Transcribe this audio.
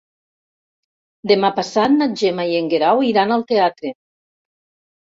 Demà passat na Gemma i en Guerau iran al teatre.